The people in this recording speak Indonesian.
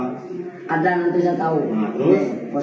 saya berani tanggung jawab